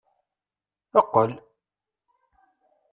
Eqqel!